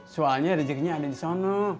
soalnya rezekinya ada di sana